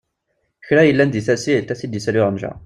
Kra yellan deg tasilt, a-t-id-issali uɣenja.